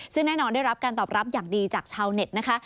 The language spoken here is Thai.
ซึ่งแน่นอนได้รับการตอบรับอย่างดีจากชาวเน็ตนะคะ